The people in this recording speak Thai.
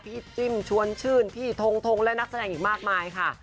จิ้มชวนชื่นพี่ทงทงและนักแสดงอีกมากมายค่ะ